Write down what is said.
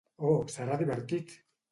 Oh, serà divertit!